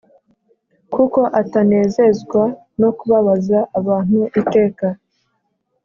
Kuko atanezezwa no kubabaza abantu iteka